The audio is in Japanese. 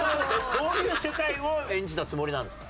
どういう世界を演じたつもりなんですか？